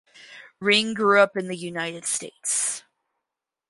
Ring grew up in the United States.